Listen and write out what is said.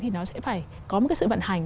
thì nó sẽ phải có một cái sự vận hành